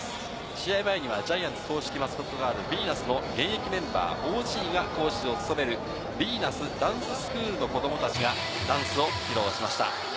試合前にはジャイアンツ公式マスコットガールのヴィーナスの現役メンバー・ＯＧが講師を務める、ヴィーナスダンススクールの子どもたちがダンスを披露しています。